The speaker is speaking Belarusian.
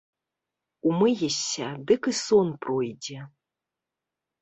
Умыешся, дык і сон пройдзе.